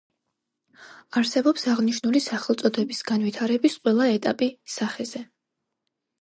არსებობს აღნიშნული სახელწოდების განვითარების ყველა ეტაპი სახეზე.